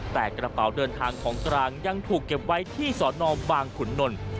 แต่กระเป๋าเดินทางของกลางยังถูกเก็บไว้ที่สอนอบางขุนนล